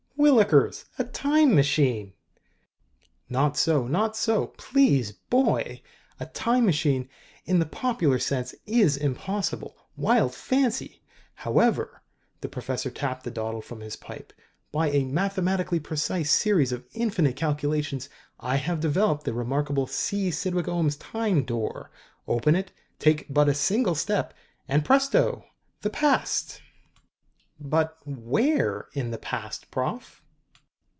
"Whillikers, a Time Machine!" "Not so, not so. Please, boy! A Time Machine, in the popular sense, is impossible. Wild fancy! However " The professor tapped the dottle from his pipe. " by a mathematically precise series of infinite calculations, I have developed the remarkable C. Cydwick Ohms Time Door. Open it, take but a single step and, presto! The Past!" "But, where in the past, Prof.?"